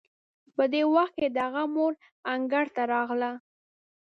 په دې وخت کې د هغه مور انګړ ته راغله.